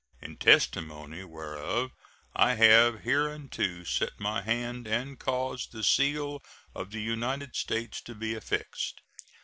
In testimony whereof I have hereunto set my hand and caused the seal of the United States to be affixed.